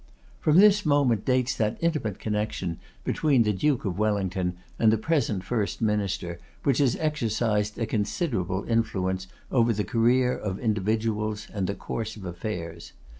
From this moment dates that intimate connection between the Duke of Wellington and the present First Minister, which has exercised a considerable influence over the career of individuals and the course of affairs.